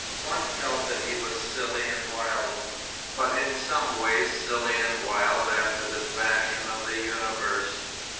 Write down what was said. One felt that he was silly and wild, but in some way silly and wild after the fashion of the universe.